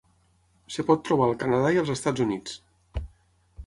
Es pot trobar al Canadà i els Estats Units.